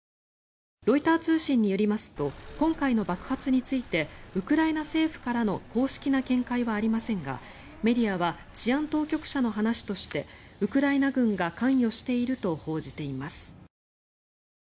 ロイター通信によりますと今回の爆発についてウクライナ政府からの公式な見解はありませんがメディアは治安当局者の話としてウクライナ軍が関与していると報じています。